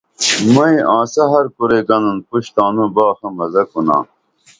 مئیں آنسہ ہر کُرئی گنن پُش تانو باخہ مزہ کُنا